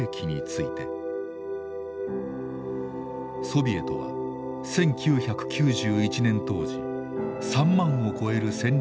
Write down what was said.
ソビエトは１９９１年当時３万を超える戦略